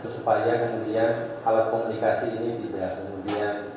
supaya kemudian alat komunikasi ini tidak kemudian